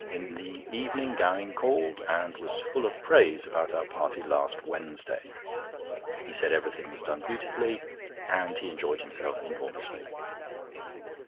In the evening Gowing called, and was full of praise about our party last Wednesday. He said everything was done beautifully, and he enjoyed himself enormously.